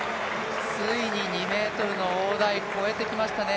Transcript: ついに２ｍの大台越えてきましたね。